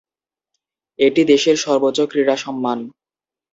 এটি দেশের সর্বোচ্চ ক্রীড়া সম্মান।